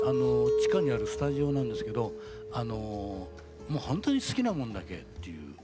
地下にあるスタジオなんですけどあのもうほんとに好きなもんだけっていう。